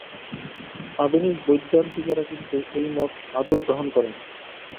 আধুনিক বৈদান্তিকেরা কিন্তু এই মত আদৌ গ্রহণ করে না।